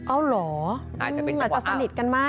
อ้าวเหรออาจจะสนิทกันไหม